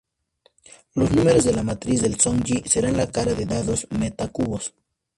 Los números de la matriz del Zong-Ji serán la cara de Dados–Metacubos.